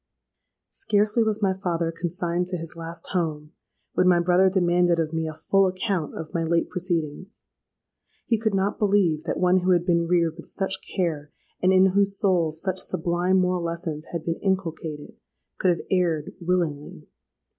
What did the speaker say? "Scarcely was my father consigned to his last home, when my brother demanded of me a full account of my late proceedings. He could not believe that one who had been reared with such care, and in whose soul such sublime moral lessons had been inculcated, could have erred willingly.